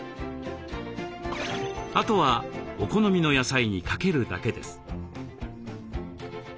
あとはお好みの野菜にかけるだけです。